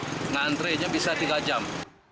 mengantri bisa tiga jam